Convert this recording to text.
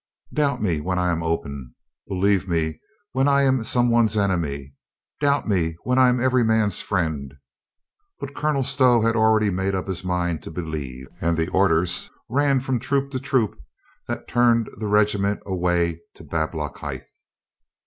Doubt me when I am open. Believe me when I am some one's enemy. Doubt me when I am every man's friend." But Colonel Stow had already made up his mind to be lieve, and the orders ran from troop to troop that turned the regiment away to Bablockhithe.